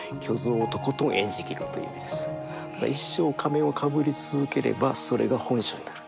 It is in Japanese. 一生仮面をかぶり続ければそれが本性になる。